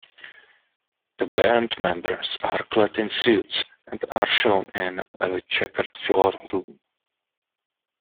The band members are clad in suits and are shown in a checkered-floor room.